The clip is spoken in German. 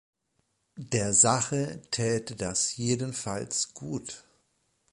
Der Sache täte das jedenfalls gut!